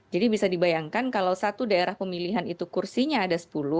jadi bisa dibayangkan kalau satu daerah pemilihan itu kursinya ada sepuluh